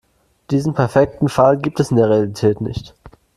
Diesen perfekten Fall gibt es in der Realität nicht.